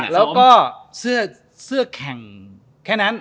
แล้วก็เสื้อแข่งแค่นั้น